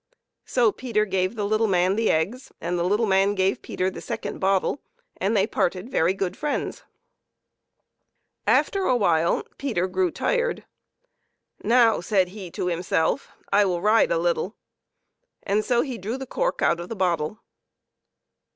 So Peter gave the little man the eggs, and the little man gave Peter the second bottle, and they parted very good friends. After a while Peter grew tired. " Now," said he to himself, " I will ride a little ;" and so he drew the cork out of the bottle.